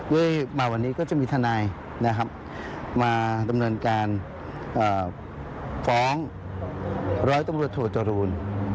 มาวันนี้ก็จะมีทนายมาดำเนินการฟ้องร้อยตำรวจโทจรูล